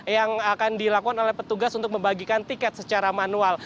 yang akan dilakukan oleh petugas untuk membagikan tiket secara manual